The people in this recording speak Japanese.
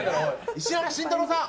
石原慎太郎さん。